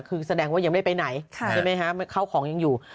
คือแสดงว่ายังไม่ได้ไปไหนใช่ไหมฮะเข้าของยังอยู่